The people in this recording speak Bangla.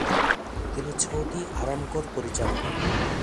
তিনি সৌদি আরামকোর পরিচালক।